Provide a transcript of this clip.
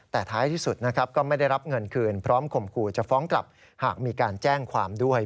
แต่ท้ายที่สุดนะครับก็ไม่ได้รับเงินคืนพร้อมข่มขู่จะฟ้องกลับหากมีการแจ้งความด้วย